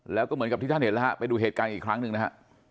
แล้วก็เหมือนกับที่ท่านเห็นแล้วฮะไปดูเหตุการณ์อีกครั้งหนึ่งนะฮะ